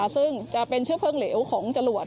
ซึ่งจะเป็นเชื้อเพลิงเหลวของจรวด